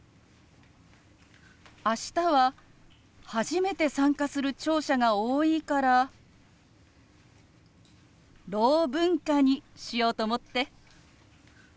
明日は初めて参加する聴者が多いから「ろう文化」にしようと思って。